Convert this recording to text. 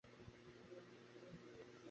আপনাদের ওয়াইন লিস্টটা আনবেন?